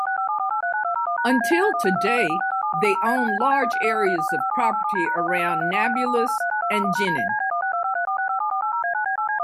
Until today they own large areas of property around Nablus and Jenin.